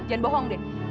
jangan bohong deh